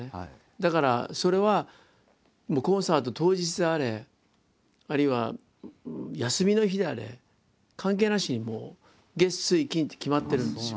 だからそれはコンサート当日であれあるいは休みの日であれ関係なしにもう月水金って決まってるんですよ